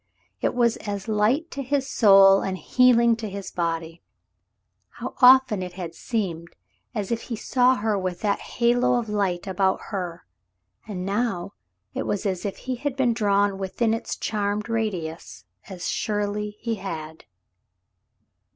It was as light to his soul and healing to his body. How often it had seemed as if he saw her with that halo of light about her, and now it was as if he had been drawn within its charmed radius, as surely he had.